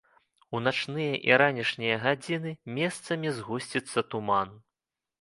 У начныя і ранішнія гадзіны месцамі згусціцца туман.